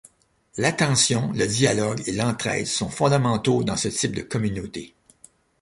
L’attention, le dialogue et l’entraide sont fondamentaux dans ce type de communauté.